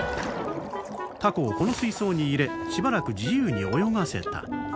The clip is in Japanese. タコをこの水槽に入れしばらく自由に泳がせた。